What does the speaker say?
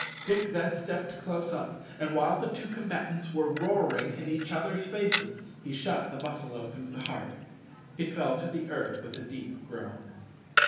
Dick then stepped close up, and while the two combatants were roaring in each other's faces, he shot the buffalo through the heart. It fell to the earth with a deep groan.